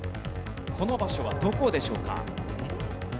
この場所はどこでしょうか？